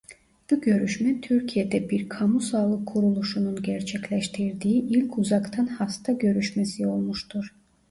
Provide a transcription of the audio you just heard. Bu görüşme Türkiye'de bir kamu sağlık kuruluşunun gerçekleştirdiği ilk uzaktan hasta görüşmesi olmuştur.